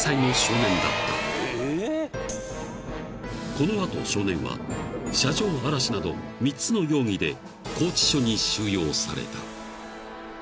［この後少年は車上荒らしなど３つの容疑で拘置所に収容された］